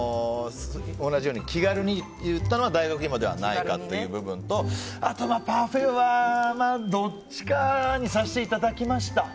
同じように気軽にって言ったのは大学いもではないかという部分とあとは、パフェはどっちかにさせていただきました。